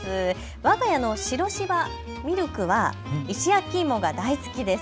わが家の白しば、ミルクは石焼き芋が大好きです。